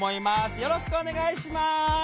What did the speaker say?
よろしくお願いします。